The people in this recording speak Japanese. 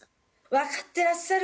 わかってらっしゃる！